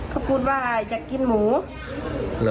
เขาพูดว่าอยากกินหมู